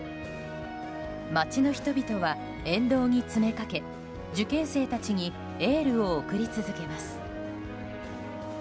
町の人々は沿道に詰めかけ受験生たちにエールを送り続けます。